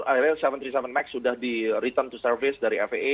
akhirnya tujuh ratus tiga puluh tujuh max sudah di return to service dari faa